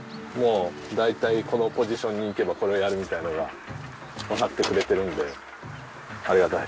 大体このポジションに行けばこれをやるみたいなのがわかってくれてるのでありがたいです。